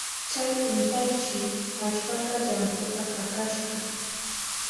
Chay untayshi allpata llamputa katashka.